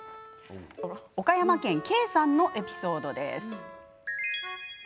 岡山県のけいさんのエピソードです。